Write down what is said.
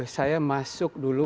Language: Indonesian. saya masuk dulu